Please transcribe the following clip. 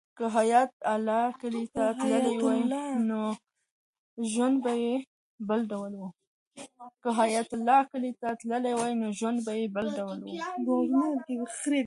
که حیات الله کلي ته تللی وای نو ژوند به یې بل ډول و.